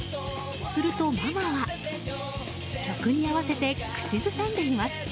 するとママは、曲に合わせて口ずさんでいます。